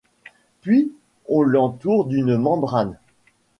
Puis on l’entoure d’une membrane.